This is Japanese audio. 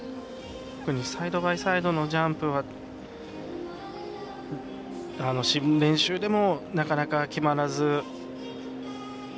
特にサイドバイサイドのジャンプは練習でも、なかなか決まらず。